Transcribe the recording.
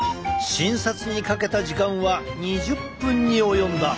診察にかけた時間は２０分に及んだ。